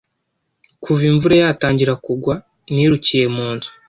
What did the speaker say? Kuva imvura yatangira kugwa, nirukiye mu nzu.